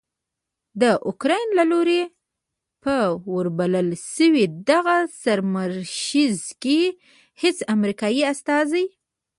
داوکرایین له لوري په وربلل شوې دغه سرمشریزه کې هیڅ امریکایي استازی